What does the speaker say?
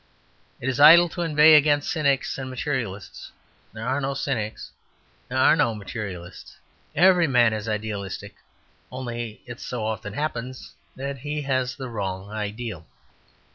It is idle to inveigh against cynics and materialists there are no cynics, there are no materialists. Every man is idealistic; only it so often happens that he has the wrong ideal.